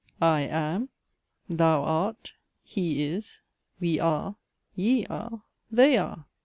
I am, thou art, he is, we are, ye are, they are.